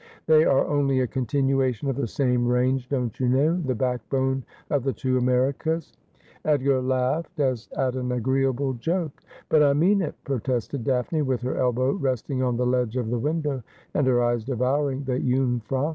They are only a continuation of the same range, don't you know, the backbone of the two Americas,' 'Love is not Old, as whan that it is JSFlic.^ 305 Edgar laughed as at an agreeable joke. ' But I mean it, protested Daphne, with her elbow resting on the ledge of the window, and her eyes devouring the J ung frau.